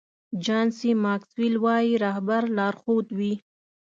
جان سي ماکسویل وایي رهبر لارښود وي.